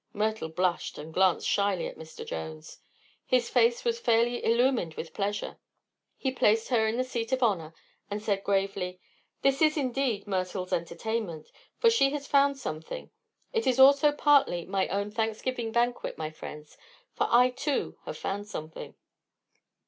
Myrtle blushed and glanced shyly at Mr. Jones. His face was fairly illumined with pleasure. He placed her in the seat of honor and said gravely: "This is indeed Myrtle's entertainment, for she has found something. It is also partly my own thanksgiving banquet, my friends; for I, too, have found something."